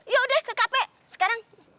yaudah ke cafe sekarang